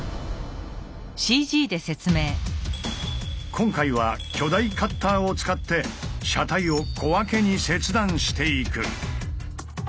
今回は巨大カッターを使って車体を小分けに切断していく。